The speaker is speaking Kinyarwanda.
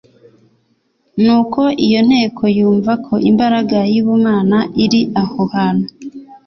Nuko iyo nteko yumva ko imbaraga y'ubumana iri aho hantu.